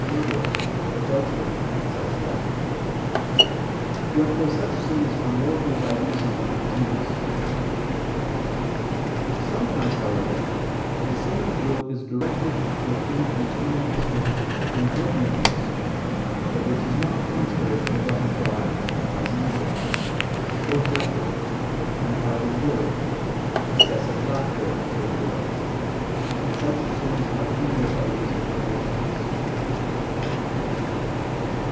murder, adultery, and such like: wherefore such sins are mortal by reason of their genus. Sometimes, however, the sinner's will is directed to a thing containing a certain inordinateness, but which is not contrary to the love of God and one's neighbor, e.g. an idle word, excessive laughter, and so forth: and such sins are venial by reason of their genus.